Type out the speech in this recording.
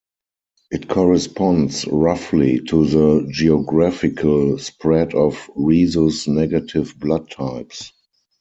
It corresponds roughly to the geographical spread of rhesus negative blood types.